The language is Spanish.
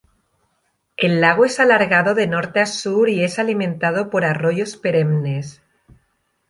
El lago es alargado de norte a sur y es alimentado por arroyos perennes.